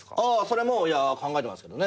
それも考えてますけどね。